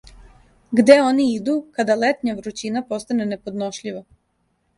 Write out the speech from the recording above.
Где они иду када летња врућина постане неподношљива?